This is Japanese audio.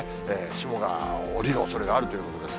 霜が降りるおそれがあるということです。